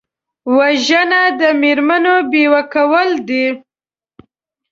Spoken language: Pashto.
وژنه د مېرمنو بیوه کول دي